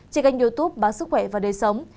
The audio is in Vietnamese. trên kênh youtube bán sức khỏe và đời sống